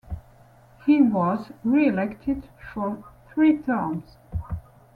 He was re-elected for three terms.